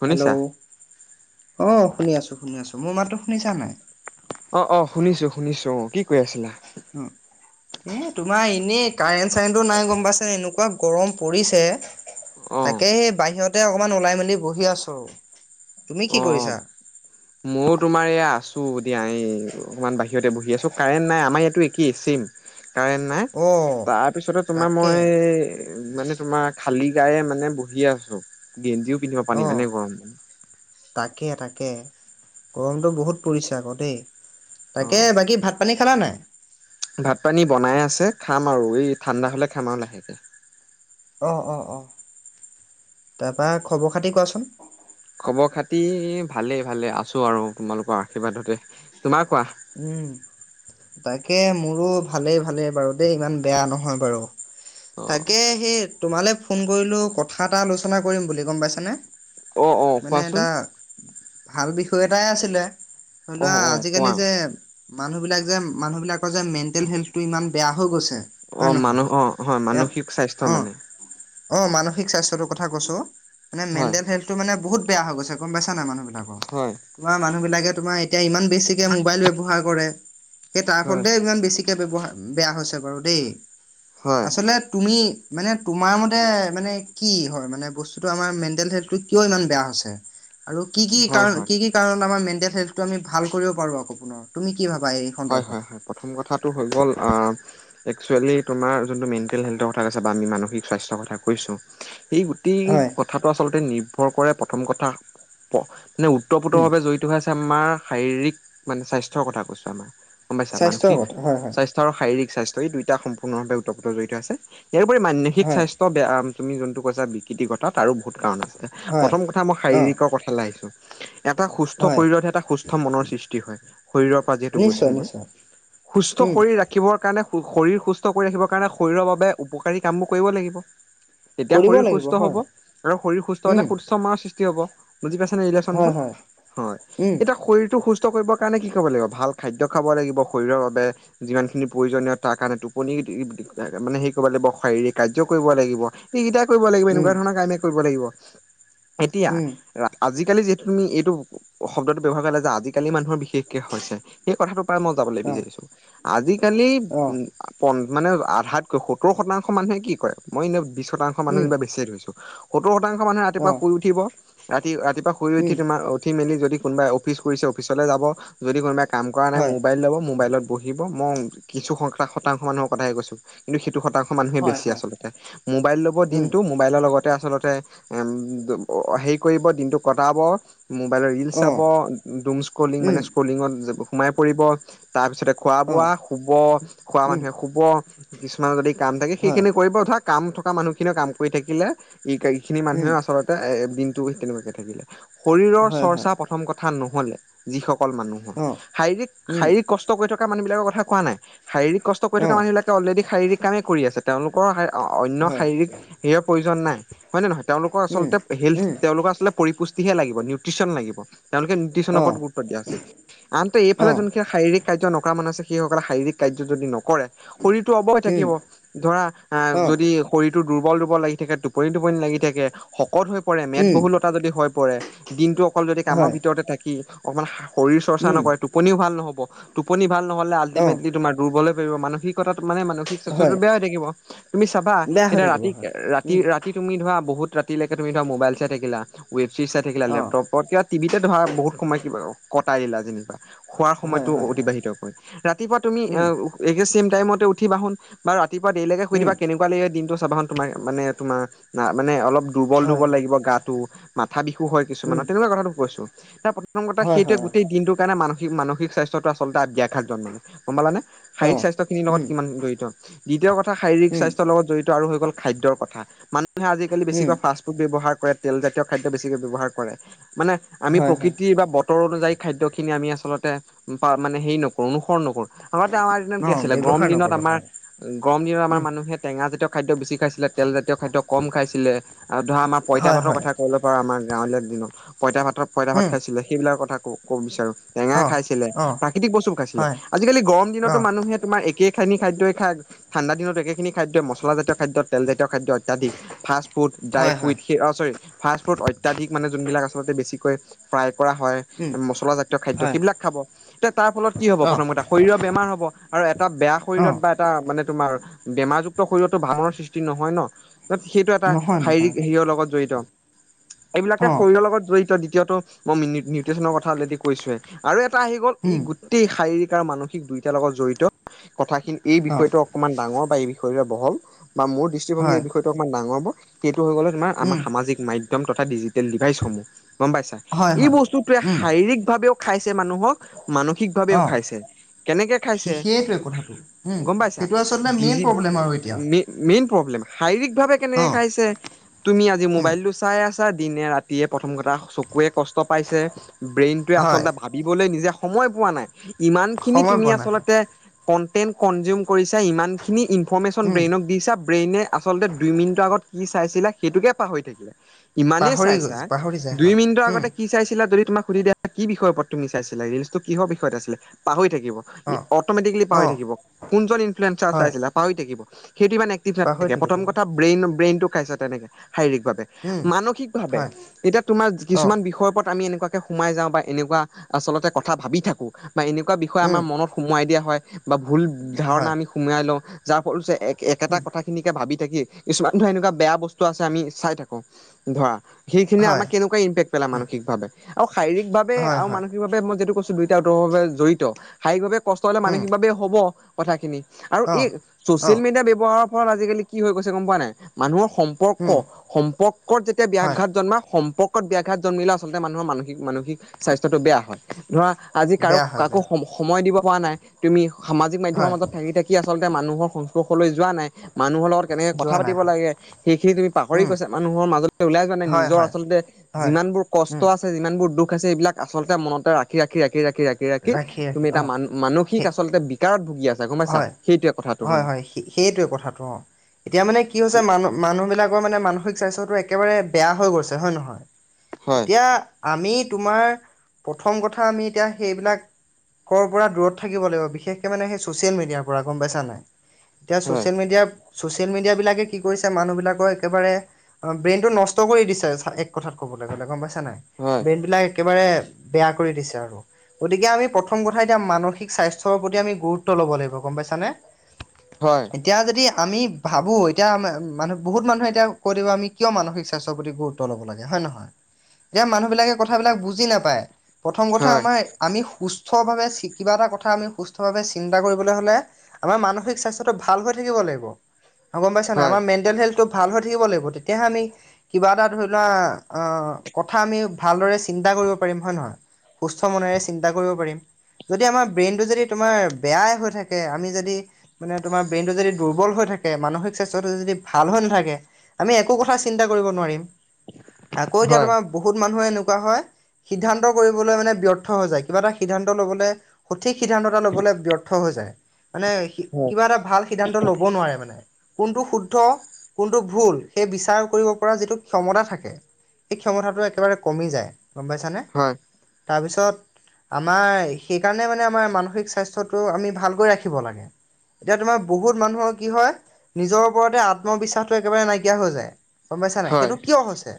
শুনিছা? হেল্ল', অ, শুনি আছো - শুনি আছো, মোৰ মাততো শুনিছা নে নাই? অ', অ', শুনিছো - শুনিছো অ, কি কৰি আছিলা? উম, এ তোমাৰ এনেই কাৰেন চাৰেনটো নাই গম পাইছা এনেকুৱা গৰম পৰিছে। অ তাকে সেই বাহিৰতে অকমান ওলাই মেলি বহি আছো তুমি কি কৰিছা? মইয়ো তোমাৰ এয়া আছো দিয়া এই অকমান বাহিৰতে বহি আছো কাৰেণ্ট নাই আমাৰ ইয়াতো একেই চেম। কাৰেন্ট নাই অ তাৰপিছতে তোমাৰ তাকে মই মানে তোমাৰ খালী গায়ে মানে বহি আছোঁ গেঞ্জীও পিন্ধিব পৰা অ নাই ইমানে গৰম। তাকে তাকে গৰমতটো বহুত পৰিছে আকৌ দেই অ তাকে বাকী ভাত পানী খালা নাই? ভাত পানী বনাই আছে খাম আৰু এই ঠাণ্ডা হলে খাম আও লাহেকে। অ অ অ তা পা খবৰ খাতি কোৱাচোন? খবৰ খাতি ভালেই ভালে আছোঁ আৰু তোমালোকৰ আশীৰ্বাদতে। তোমাৰ কোৱা? উম তাকে মোৰো ভালেই ভালেই বাৰু দেই ইমান বেয়া নহয় বাৰু। অ তাকে সেই তোমালৈ ফোন কৰিলোঁ কথা এটা আলোচনা কৰিম বুলি গম পাইছানে। অ অ মানে কোৱাচোন এটা ভাল বিষয় এটাই আছিলে ধৰি অ লোৱা অ আজিকালি কোৱা হেপ, মানুহ বিলাক যে মানুহ বিলাকৰ যে মেন্টেল হেল্থ টো ইমান বেয়া হৈ গৈছে। অ হয় নহয় মানুহৰ অ হয় এতিয়া মানসিক স্বাস্থ্য অ মানে অ মানসিক স্বাস্থ্যটোৰ কথা কৈছোঁ, মানে হয় মেণ্টেল হেল্থটো মানে বহুত বেয়া হৈ গৈছে গম পাইছা নাই মানুহবিল- হয় তোমাৰ মানুহ বিলাকে তোমাৰ এতিয়া ইমান বেছিকে মোবাইল ব্যৱহাৰ কৰে। সেই তাৰ হয় ফলতে ইমান বেছিকে ব্যৱহাৰ বেয়া হৈছে বাৰু দেই, হয় আচলতে তুমি মানে তোমাৰ মতে মানে কি হয় মানে বস্তুটো আমাৰ মেণ্টেল হেলথটো কিয় ইমান বেয়া হৈছে? আৰু কি কি হয় কাৰণ হয় কি কি কাৰণ আমাৰ মেণ্টেল হেল্থটো আমি ভাল কৰিব পাৰোঁ আকৌ পুনৰ তুমি কি ভাবা এই? হয় সন্দৰ্ভত? হয় হয় প্ৰথম কথাটো হৈ গ'ল আ- একচুৱেলি তোমাৰ জোনটো মেণ্টেল হেল্থ কথা কৈছা বা আমি মানসিক স্বাস্থ্য কথা কৈছোঁ। এই গোটেই হয় কথাটো আচলতে নিৰ্ভৰ কৰে প্ৰথম কথা মানে উম ওত্তপ্ৰতভাৱে জড়িত। এইটো হৈছে মা শাৰীৰিক মানে স্বাস্থ্যৰ কথা কৈছোঁ আমাৰ গম পাইছা স্বাস্থ্যৰ মানসিক কথা হয় হয় স্বাস্থ- চাৰু শাৰিৰীক স্বাস্থ্য এই দুটা সম্পূৰ্ণভাৱে উত্তপ্ত জড়িত আছে এইবোৰেই মানসিক হয় স্বাস্থ- বেয়া তুমি যোনটো কৈছা বিকৃৰ কথা তাৰো বহুত কাৰণ আছে। হয়। প্ৰথম কথা মই অঁ শাৰীৰিকৰ কথা লে আহিছো। এটা সুস্থ হয় শৰীৰতে এটা সুস্থ মনৰ সৃষ্টি হয়, শৰীৰৰ পৰা যিহেতু গৈছো। নিশ্চয় [unintelligible] নিশ্চয় সুষ্ট উম শাৰীৰ ৰাখ- খিবৰ কাৰণে সু শৰীৰ সুস্থ কৰি ৰাখিবৰ কাৰণে শৰীৰৰ বাবে উপকাৰী কামবোৰ কৰিব লাগিব। তেতিয়া কৰিব শৰীৰ লাগিব সুস্থ হব হয় আৰু শৰীৰ সুস্থ হলে উম সুস্থ মাৰ সৃষ্টি হব। বুজি পাইছা নে হয় ৰিলেশ্বনটো হয় হয়, উম এতিয়া শৰীৰটো সুস্থ কৰিব কাৰণে কি কৰিব লাগিব ভাল খাদ্য খাব লাগিব শৰীৰৰ বাবে। যিমান খিনি প্ৰয়োজনীয় তাৰ কাৰণে টোপনি মানে সেই কৰিব লাগিব শাৰীৰিক কাৰ্য কৰিব লাগিব। সেইকেইটাই কৰিব লাগিব উম এনেকুৱা ধৰণৰ কামে কৰিব লাগিব। এতিয়া উম আজিকালি যিহেতু তুমি এইটো অ শব্দটো ব্যৱহাৰ কৰা যে আজিকালি মানুহৰ বিশেষকে হৈছে সেই কথাটো পা মই যাবলৈ অঁ বিচাৰিছো আজিকালি অঁ উ- পন মানে আধাতকৈ সত্তৰ শতাংশ মানুহে কি কৰে, মই এনে বিশ শতাংশ মানুহ উম কিবা বেছিয়ে ধৰিছো। সত্তৰ শতাংশ মানুহে ৰাতিপুৱা অঁ শুই উঠিব ৰাতি ৰাতিপুৱা শুই উঠি উম তোমাৰ উ- উঠি মেলি যদি কোনোবাই অফিচ কৰিছে অফিচলৈ যাব। যদি কোনোবাই কাম কৰা নাই হয় মোবাইল ল'ব, মোবাইলত পঢ়িব, মওং কিছু শ শতাংশ মানুহৰ কথাই কৈছো কিন্তু সেইটো শতাং- শ মানুহে হয় বেছি হয় আচলতে মোবাইল ল'ব উম দিনটো মো- মোবাইলৰ লগতে আচলতে এম অ হেৰি কৰিব দিনটো কটাব। মোবাইল ৰিল চাব অঁ ডোমছ কলিং উম মাইনাছ কলিঙত য সোমাই পৰিব তাৰ পাছতে খোৱা অঁ বোৱা শুব খোৱা উম মানুহে শুব কিছুমান যদি কাম থাকে হয় সেইখিনি কৰিব ধাক কাম থকা মানুহখিনিও কাম কৰি থাকিলে ই এইখিনি উম, মানুহেও আচলতে এ দিনটো তেনেকুৱাকে থাকিলে শৰীৰৰ হয়, হয়, চৰ্চা প্ৰথম কথা নহ'লে, যিসকল মানুহ অ', শাৰীৰিক উম, শাৰীৰিক কষ্ট কৰি থকা মানুহ বিলাকৰ কথা কোৱা নাই শাৰীৰিক কষ্ট কৰি থকা অ', মানুহ বিলাকে অলৰেডি শাৰীৰিক কামে কৰি আছে। তেওঁলোকৰ শা অন্য হয়, শাৰীৰিক হেয় প্ৰয়োজন নাই। হয় নে নহয় তেওঁলোকৰ উম, আচলতে হেল উম, তেওঁলোকৰ আচলতে পৰিপুষ্টিহে লাগিব নিউট্ৰিচন লাগিব তেওঁলোকে নিউট্ৰিচনৰ ওপৰত অ', গুৰুত্ব দিয়া উচিত। আনতে এইফালে অ', যোন- শাৰীৰিক কাৰ্য নকৰা মানুহ আছে সেইসকলে শাৰীৰিক কাৰ্য যদি নকৰে শৰীৰটো অৱয় উম, থাকিব ধৰা অ, যদি শৰীৰটোৰ দুৰ্বল-দুৰ্বল লাগি থাকে টোপনি - টোপনি লাগি থাকে শকত হৈ পৰে উম, মেদবহুলতা যদি হৈ পৰে। দিনটো অকল যদি কামৰ হয়, ভিতৰতে থাকি অকমান শৰীৰ চৰ্চা উম, নকৰে টোপনিও ভাল নহব ব টোপনি ভাল নহলে অ', আলটিমেটলি তোমাৰ দুৰ্বলোৰ মানসিকতা মানে মান চো হয়, বেয়া হৈ থাকিব তুমি চাবা বেয়া হৈ এতিয়া থাকিব ৰাতি হয়, - ৰাতি উম, - ৰাতি তি তুমি ধৰা বহুত ৰাতিলৈকে তুমি ধৰা মোবাইল চাই থাকা ৱেব চৰিজ চাই থাকিল অ', লেপটপত টিভিতে ধৰা বহুত সময় কিবা কটাই দিলা যেনিবা খোৱাৰ হয়, সময়টো হয়, অ', অতিবাহিত কৰে ৰাতিপুৱা তুমি উম, একম টাইম উঠিবান। বা ৰাতিপুৱা দেেইলেলৈকে সুধ উম, দিবা কেনেকুৱা লাগে। দিনটো চাবা তোমাৰ মানে তোমাৰা মানে অলপ হয়, দুৰ্বল-দুৰ্বল হয়, লাগিব গাটো মাথা বিহু হয়। উম, কিছুমানৰ তেনেকুৱা কথাটো কৈছো তাৰ ত হয়, সেইটে হয়, অ', গোটেই দিনটোৰ কাৰণে মানসিক মানসিক স্বাস্থ্যয়টো আচলতে ব্যাঘাতজন মানে গম পালানে। শাৰীক অ', স্বাস্থ্য খিনিৰ লগত উম, কিমান জড়িত। দ্বিতীয় কথা শাৰীক উম, স্বাস্থ্যৰ লগত জড়িত আৰু হৈ গল খাদ্যৰ কথা মানুহে আজিকালি উম, বেছিকৈ ফ ব্যৱহাৰ কৰে তেলজাতীয় খাদ্য বেছিকে ব্যৱহাৰ কৰে। মানে হয়, হয়, আমিকৃতিৰ বা উতৰ অনুযায়ী খাদ্যখিনি আমি আচলতে মানে হেৰি নকৰো অনুসৰণ নকৰো। আগতে আমাৰ দিনত কি অ', আছিলে গৰম ব্যৱহাৰ দিনত নকৰোঁ আমাৰ হয়, গৰম দিনত আমাৰ উম, মানুহে টেঙ জাতীয় খাদ্য বেছি খাইছিলে, তেলজাতীয় খাদ্য কম খাইছিলে। ধৰা আমাৰ পইতা হয়, ভাতৰ হয়, কথা কৰৰ পৰা আমাৰ গাঁৱলীয়া দিনত পইতা ভাতৰ পইতা ভাত উম, খাইছিলে। সেইবিলাক কথা - কব বিচাৰো। টেঙা অ', খাইছিলে অ', প্ৰাকৃতিক বস্তু খাইছিলে। হয়, আজিকালি গৰম দিনতো অ', মানুহে তোমাৰ একে খিনি খাদ্যই খাই ঠাণ্ডা দিনত একেখিনি খাদ্যই মছলাজাতীয় খাদ্য তেলজাতীয় খাদ্য অত্যাধিক ভ ফুড ড্ৰাই হয়, হয়, ফ্ৰুইট অ, চৰি ফাষ্ট ফুড অত্যাধিক মানে যোনবিলাক আচলতে বেছিকৈ ফ্ৰাই কৰা হয়। উম, মছলা জাতীয় খাদ্য হয়, সেইবিলাক খাব এতিয়া তাৰ ফলত কি হব অ', প্ৰথম কথা শৰীৰৰ বেমাৰ হব। আৰু এটা বেয়া শৰীৰত অ', বা এটা মানে তোমাৰ বেমাৰযুক্ত শৰীৰতো ভাওাৰ সৃষ্টি নহয় ন। সেইটো এটা নহয়, শাৰীৰিক নহয়, হয়, হেৰিৰ লগত জড়িত। এইবিলাকে অ', শৰীৰৰ লগত জড়িত দ্বিতীয়টো মই নিউট্ৰিচনৰ কথা অলৰেডি কৈছোৱে আৰু এটা আহি গ'ল এই উম, গ গোটেই শাৰীৰিক আৰু মানসিক দুয়োটাৰ লগত জড়িত কথাখিনি এই অ', বিষয়টো অকণমান ডাঙৰ বা এই বিষয়টোৰে বহল বা মোৰ দৃষ্টিভংগী হয়, এই বিষয়টো অকণমান ডাঙৰ ব সেইটো হৈ গ'লে তোমাৰ - আমাৰ উম, সামাজিক মাধ্যম তথা ডিজিটেল ডিভাইচসমূহ গম পাইছা হয়, এই হয়, বস্তু উম, শাৰীৰিক ভাৱেও খাইছে মানুহক মানসিক ভাৱেও অ', খাইছে কেনেকে খাইছে সে- সেইটোৱে কথাটো, উম, গম পাইছা সেইটো আচলতে মেইন ডিজি প্ৰব্লেম আৰু এতিয়া, মেইন প্ৰব্লেম শাৰীৰিক ভাৱে কেনেকে অ', খাইছে। তুমি আজি উম, মোবাইলতটো চাই আছা। দিনে ৰাতিয়ে প্ৰথম কথা চকুৱে কষ্ট পাইছে ব্ৰেইন টোৱে হয়, আচলতে ভাবিবলৈ নিজে সময় পোৱা নাই। ইমান খিনি সময় তুমি পোৱা নাই, হয়, আচলতে কনটেন্ট কনজিউম কৰিছা, ইমান খিনি ইনফৰমেশচন উম, ব্ৰেইনক দিছা ব্ৰেইনে আচল্ততে দুই মিনিটৰ আগত কি চাইছিলা সেইটোকে পাহৰি থাকিলে। ইমানেই পাহৰি গৈ চাইছা পাহৰি যায়, দুই হয়, মিনিটৰ উম, আগতে কি চাইছিলা যদি তোমাক সুধি দিয়া কি বিষয়ৰ ওপৰত তুমি চাইছিলা ৰিলচটো কিহৰ বিষয়ত আছিলে পাহৰি থাকিব ই অ', অট'মেটিকেলি পাহৰি অ', থাকিব। কোনজন ইনফ্লুৱেঞ্জাৰ হয়, চাইছিলে পাহৰি থাকিব। সেইটো ইমান এক্টিভ পাহৰি নাথাকে থাকিব, প্ৰথম হয়, কথা ব্ৰেইন - ব্ৰেইন টো খাইছা তেনেকে শাৰীৰিকভাৱে। উম, মানসিক ভাৱে হয়, এতিয়া তোমাৰ অ', কিছুমান বিষয়ৰ ওপৰত আমি এনেকুৱাকে সোমাই যাও বা এনেকুৱা আচলতে কথা ভাবি থাকো বা এনেকুৱা বিষয়ে উম, আমাৰ মনত সোমোৱাই দিয়া হয়। বা ভুল ধাৰণা হয়, আমি সোমোৱাই লও। যাৰ ফলচে একেটা উম, কথা খিনিকে ভাবি থাকি কিছুমান ধৰা এনেকুৱা বেয়া বস্তু আছে আমি চাই থাকো। ধৰা সেইখিনিয়ে হয়, আমাৰ কেনেকুৱা ইম্পেক্ট পেলায় উম, মানসিকভাৱে আৰু শাৰীকভাৱে হয়, আৰু হয়, মানিক সভাবে মই যিটো কৈছো দুইটা উতভাৱে জড়িত শাৰীকভাৱে কষ্ট হ'লে উম, মানসিকভাৱে হ'ব। কথাখিনি আৰু এই অ', ছ'চিয়েল অ', মিডিয়া ব্যৱহাৰৰ ফলত আজিকালি কি হৈ গৈছে গম পোৱা নাই মানুহৰ সম্পৰ্ক উম, সম্পৰ্কত যেতিয়া হয়, ব্যাঘাত জন্মা সম্পৰ্কত ব্যাঘাত জন্মিলে আচলতে মানুহৰ মানসিক-মানসিক স্বাস্থ্যটো বেয়া। ধৰা আজি কাৰো বেয়া হয়, কাকো বেয়া হয়, সময় দিব পৰা নাই তুমি সামাজিক মাধ্যমৰ হয়, মাজত থাকি-থাকি কি আচলতে মানুহৰ সংস্পৰ্শলৈ যোৱা নাই, মানুহৰ লগত কেনেকে কথা যোৱা নাই, পাতিব হয়, লাগে, সেইখিনি তুমি পাহৰি উম, গৈছা, মানুহৰ মাজলৈ ওলাই যোৱা নাই, হয়, নিজৰ হয়, আচলতে হয়, যিমান বোৰ উম, কষ্ট আছে, যিমানবোৰ দুখ আছে, এইবিলাক আচলতে মনতে ৰাখি ৰাখি ৰাখি ৰাখি ৰাখি ৰাখি কি ৰাখি, তুমি এটা অ'। মান সেই মানসিক আচলতে বিকাৰত ভুগি আছা গম পাইছা? হয় সেইটোৱে কথাটো হয় মানে। হয় সেইটোৱে কথাটো অঁ। এতিয়া মানে কি হৈছে, মানু মানুহ বিলাকৰ মানে মানসিক স্বাস্থ্যয়টো একেবাৰে বেয়া হৈ গৈছে হয় নহয়? হয় এতিয়া, আমি তোমাৰ প্ৰথম কথা আমি এতিয়া সেইবিলাক কৰ পৰা দূৰত থাকিব লাগিব। বিশেষকৈ মানে সেই ছ'চিয়েল মিডিয়াৰ পৰা গম পাইছা নাই? এতিয়া হয় ছ'চিয়েল মিডিয়া ছচিয়েল মেডিয়াবিলাকে কি কৰিছে, মানুহবিলাকৰ একেবাৰে অ ব্ৰেইন টো নষ্ট কৰি দিছে, এক কথাত কবলৈ গ'লে গম পাইছা নাই, হয় ব্ৰেইন বিলাক একেবাৰে বেয়া কৰি দিছে আৰু গতিকে আমি প্ৰথম কথা এতিয়া মানসিক স্বাস্থ্যৰ প্ৰতি আমি গুৰুত্ব ল'ব লাগিব গম পাইছা নে? হয়। এতিয়া যদি আমি ভাবোঁ, এতিয়া আম মানুহ বহুত মানুহে এতিয়া কৈ দিব আমি কিয় মানসিক স্বাস্থ্যৰ প্ৰতি গুৰু ত্ব ল'ব লাগে হয় নহয়, এতিয়া মানুহ বিলাকে কথাবিলাক বুজি নাপায়, প্ৰথম কথা হয় আমাৰ আমি সুস্থ ভাৱে কিবা এটা কথা আমি সুস্থভাৱে চিন্তা কৰিবলৈ হ'লে, আমাৰ মানসিক স্বাস্থ্যটো ভাল হৈ থাকিব লাগিব। গম পাইছা না, হয় আমাৰ মেণ্টেল হেল্থটো ভাল হৈ থাকিব লাগিব, তেতিয়াহে আমি কিবা এটা ধৰি লোৱা আহ, কথা আমি ভালদৰে চিন্তা কৰিব পাৰিম হয় নহয়? সুস্থ মনেৰে চিন্তা কৰিব পাৰিম, যদি আমাৰ ব্ৰেইনটো যদি তোমাৰ বেয়াই হৈ থাকে, আমি যদি মানে তোমাৰ ব্ৰেইনটো যদি দুৰ্বল হৈ থাকে, মানসিক স্বাস্থ্যটো যদি ভাল হৈ নাথাকে, আমি একো কথা চিন্তা কৰিব নোৱাৰিম। আকৌ এতিয়া হয় তোমাৰ বহুত মানুহে এনেকুৱা হয়, সিদ্ধান্ত কৰিবলৈ মানে ব্যৰ্থ হৈ যায়। কিবা এটা সিদ্ধান্ত লবলৈ সঠিক সিদ্ধানতা লবলৈ ব্যৰ থ হৈ যায়। মানে হয় কিবা এটা ভাল সিদ্ধান্ত লব নোৱাৰে মানে। কোনটো শুদ্ধ, কোনটো ভুল সেই বিচাৰ কৰিব পৰা যিটো ক্ষমতা থাকে! এই ক্ষমতাতটো একেবাৰে কমি যায়, গম পাইছানে? হয়। তাৰপিছত, আমাৰ সেইকাৰণে মানে আমাৰ মানসিক স্বাস্থ্যত টো আমি ভালকৈ ৰাখিব লাগে। এতিয়া তোমাৰ বহুত মানুহৰ কি হয়, নিজৰ ওপৰতে আত্মবিশ্বাসটো একেবাৰে নাইকিয়া হৈ যায়। গম পাইছা নাই। হয় সেইটো কিয় হৈছে,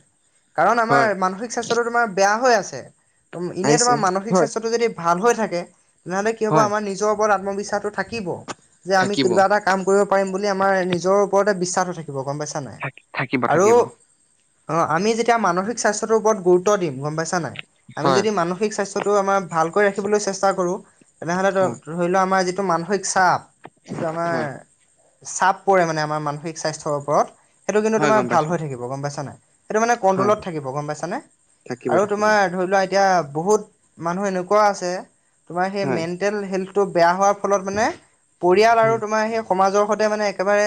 কাৰণ আমাৰ হয় মানসিক স্বাস্থ্যটো তোমাৰ বেয়া হৈ আছে, এনেই আহিছে তোমাৰ মানসিক হয় স্বাস্থ্যটো যদি ভাল হৈ থাকে, তেনেহ'লে কি হ'ব হয় আমাৰ নিজৰ ওপৰত আত্মবিশ্বাসটো থাক থাকিব, যে আমি থাকিব কিবা এটা কাম কৰিব পাৰিম বুলি আমাৰ নিজৰ ওপৰতে বিশ্বাসো থাকিব। সিৱ গম পাইছা নাই, থাক থাকিব আৰু থাকিব অ আমি যেতিয়া মানসিক স্বাস্থ্যৰ ওপৰত গুৰুত্ব দিম গোটাইছিলো নাই, আমি হয় যদি মানসিক স্বাস্থ্য স্তুটো আমাৰ ভালকৈ ৰাখিবলৈ চেষ্টা কৰো, তেনেহ'লে ধৰি লও আমাৰ যিটো মানসিক চাপ, এইটো আমাৰ হয় চাপ পৰে মানে আমাৰ মানসিক স্বাস্থ্যৰ ওপৰত সেইটো কিন্তু হয় তোমাৰ গম ভাল পাইছো হৈ থাকিব গম পাইছা নাই, সেইটো মানে হয় কণ্ট্ৰলত থাকিব গম পাইছানে? থাকিব আৰু থাকিব তোমাৰ ধৰি লোৱা এতিয়া বহুত মানুহ এনেকুৱা আছে, তোমাৰ সেই হয় মেণ্টেল হেল্থ টো বেয়া হোৱাৰ ফলত মানে, পৰিয়াল আৰু হয় তোমাৰ সেই সমাজৰ সৈতে মানে একেবাৰে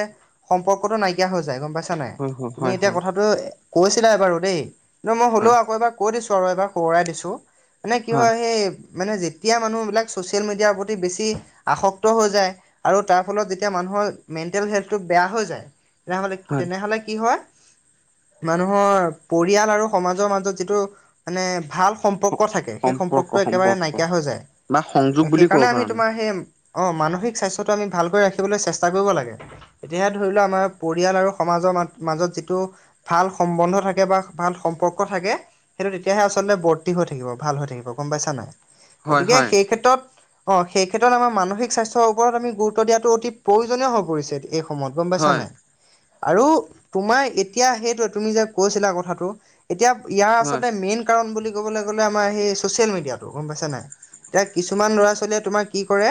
সম্পৰ্কটো নাইকিয়া হৈ যায় গম পাইছা নাই? হয় হয় তুমি হয় এতিয়া হয় কথাটো কৈছিলা এইবাৰু দেই, ন মই হলেও হয় আকৌ এবাৰ কৈ দিছো আৰু এবাৰ সোৱৰাই দিছো, মানে কি হয় সেই মানে যেতিয়া মানুহবিলাক ছ'চিয়েল মিডিয়াৰ প্ৰতি বেছি আসক্ত হৈ যায়, আৰু তাৰ ফলত যেতিয়া মানুহৰ মেণ্টেল হেল্থটো বেয়া হৈ যায়, তেনেহলে হয় তেনেহলে কি হয়, মানুহৰ পৰিয়াল আৰু সমাজৰ মাজত যিটো মানে ভাল সম্পৰ্ক থাকে, সেই সম্পৰ্ক সম্পৰ্কটো একেবাৰে সম্পৰ্ক নাইকিয়া হৈ বা সংযোগ যায়। বুলি ক'ব সেইকাৰণে পাৰো আমি তোমাৰ সে অঁ মানসিক স্বাস্থ্যটো আমি ভালকৈ ৰাখিবলৈ চেষ্টা কৰিব লাগে। এতিয়া সেয়াত ধৰি লোৱা আমাৰ পৰিয়াল আৰু সমাজৰ মা মাজত যিটো ভাল সম্বন্ধ থাকে বা ভাল সম্পৰ্ক থাকে। সেইটো তেতিয়াহে আচলতে বৰ্তি হৈ থাকিব ভাল হৈ থাকিব গম পাইছা নাই? হয় গতিকে হয় সেই ক্ষেত্ৰত অঁ সেই ক্ষেত্ৰত আমাৰ মানসিক স্বাস্থ্যৰ ওপৰত আমি গুৰুত্ব দিয়াটো অতি প্ৰয়োজনীয় হৈ পৰিছে এই সময়ত গম পাইছা হয় নাই? আৰু তোমাৰ এতিয়া সেইটোৱে তুমি যে কৈছিলা কথাটো এতিয়া ইয়াৰ হয় আচলতে মেইন কাৰণ বুলি ক'বলে গ'লে আমাৰ সেই চচিয়েল মিডিয়াতো গম পাইছা নাই? এতিয়া কিছুমান ল'ৰা ছোৱালীয়ে তোমাৰ কি কৰে?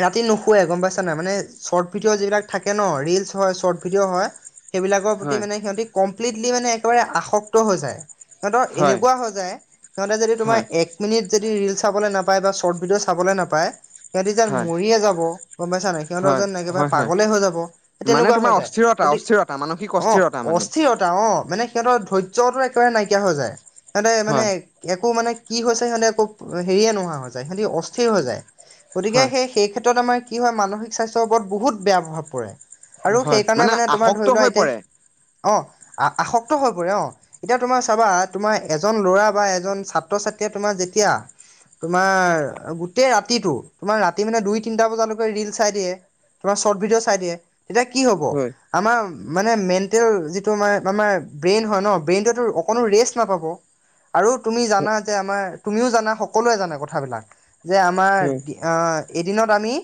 ৰাতি নুশুৱে গম পাইছা নাই? মানে চৰ্ট ভিডিঅ' যিবিলাক থাকে ন ৰিলচ হয় চৰ্ট ভিডিঅ' হয়। সেইবিলাকৰ প্ৰতি হয় মানে সিহঁতি কমপ্লিতলি মানে একেবাৰে আসক্ত হৈ যায়। সিহঁতৰ হয় এনেকুৱা হৈ যায় সিহঁতে যদি তোমাৰ হয় এক মিনিট যদি ৰিল চাবলে নাপায় বা চৰ্ট ভিডিঅ' চাবলে নাপায় সিহঁতি যেন হয় মৰিয়ে যাব, গম পাইছা নাই? সিহঁতৰ হয়, যেন একেবাৰে হয়, হয়। পাগলে হৈ যাব। সেই মানে তেনেকুৱা তোমাৰ হৈ যায় অস্থিৰতা গতিক অস্থিৰতা মানসিক অঁ অস্থিৰতা অ মানে। স্থিৰতা অঁ মানে সিহঁতৰ ধৈৰ্যটো একেবাৰে নাইকিয়া হৈ যায়। সিহঁতে মানে হয়, একো মানে কি হৈছে সিহঁতে একো হেৰীয়ে নোহোৱা হৈ যায় সিহঁতি অস্থিৰ হৈ যায়। গতিকে হয়, সেই সেই ক্ষেত্ৰত আমাৰ কি হয় মানসিক স্বাস্থ্যৰ ওপৰত বহুত বেয়া প্ৰভাৱ পৰে। আৰু হয়। সেইকাৰণে মানে তোমাৰ আসক্ত ধৰি লোৱা হৈ এতিয়া পৰে। অঁ আ আসক্ত হৈ পৰে অঁ। এতিয়া তোমাৰ চাবা তোমাৰ এজন ল'ৰা বা এজন ছাত্ৰ ছাত্ৰীয়ে তোমাৰ যেতিয়া তোমাৰ গোটেই ৰাতিটো তোমাৰ ৰাতি মানে দুই তিনটা বজালৈকে ৰিল চাই দিয়ে। তোমাৰ চৰ্ট ভিডিঅ' চাই দিয়ে। তেতিয়া কি হ'ব? হয়, আমাৰ মানে মেণ্টেল যিটো আমাৰ আমাৰ ব্ৰেইন হয় ন ব্ৰেইনটোৱে টো অকণো ৰেষ্ট নাপাব। আৰু তুমি হয়, জানা যে আমাৰ তুমিও জানা সকলোৱে জানে কথাবিলাক যে হয়। আমাৰ অঁ এদিনত আমি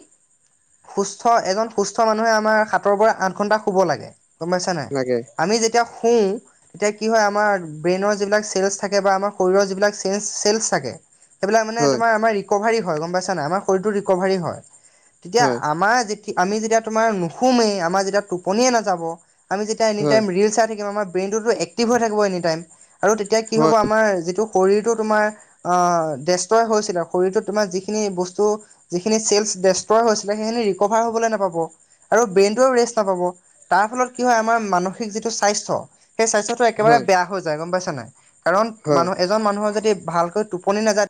সুস্থ এজন সুস্থ মানুহে আমাৰ সাতৰ পৰা আঠ ঘন্টা শুব লাগে। গম পাইছা নাই? লাগে আমি যেতিয়া শুওঁ তেতিয়া কি হয় আমাৰ ব্ৰেইনৰ যিবিলাক চেলচ থাকে বা আমাৰ শৰীৰৰ যিবিলাক চেনছ চেলছ থাকে। সেইবিলাক মানে হয়, তোমাৰ আমাৰ ৰিকভাৰী হয় গম পাইছা নাই? আমাৰ শৰীৰটোৰ ৰিকভাৰী হয়। তেতিয়া হয়, আমাৰ যি কি আমি যেতিয়া তোমাৰ নোশুমেই আমাৰ যেতিয়া টোপনিয়ে নাযাব। আমি যেতিয়া এনি হয়, টাইম ৰিল চাই থাকিম আমাৰ ব্ৰেইনটোতো এক্টিভ হৈ থাকিব এনি টাইম। আৰু তেতিয়া কি হ'ব হয়, আমাৰ যিটো শৰীৰটো তোমাৰ অঁ দেছট্ৰয় হৈছিলে। শৰীৰতোত তোমাৰ যিখিনি বস্তু যিখিনি চেলছ দেছট্ৰয় হৈছিলে সেইখিনি ৰিকভাৰ হ'বলৈ নাপাব। আৰু ব্ৰেইনটেও ৰেষ্ট নাপাব। তাৰ ফলত কি হয় আমাৰ মানসিক যিটো স্বাস্থ্য সেই স্বাস্থ্যটো একেবাৰে হয়, বেয়া হৈ যায়, গম পাইছা নাই? কাৰণ হয়। মানুহ এ এজন মানুহৰ যদি ভালকৈ টোপনি নাযায়